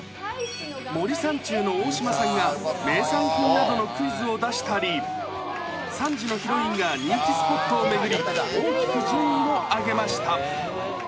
森三中の大島さんが、名産品などのクイズを出したり、３時のヒロインが人気スポットを巡り、大きく順位を上げました。